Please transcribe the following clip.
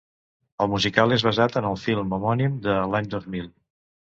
El musical és basat en el film homònim de l’any dos mil.